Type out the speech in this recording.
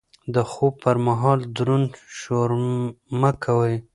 د خوب پر مهال دروند شور مه کوئ.